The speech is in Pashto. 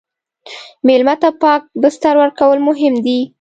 مېلمه ته پاک بستر ورکول مهم دي.